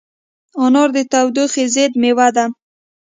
انار د تودوخې ضد مېوه ده.